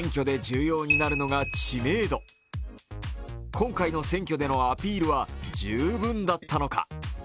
今回の選挙でのアピールは十分だったのか。